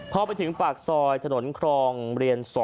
พอไปถึงปากซอยถนนครองเรียน๒